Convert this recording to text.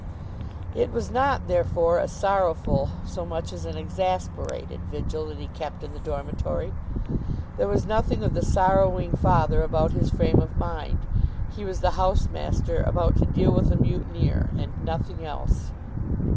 It was not, therefore, a sorrowful, so much as an exasperated, vigil that he kept in the dormitory. There was nothing of the sorrowing father about his frame of mind. He was the house master about to deal with a mutineer, and nothing else.